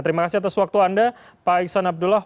terima kasih atas waktu anda pak iksan abdullah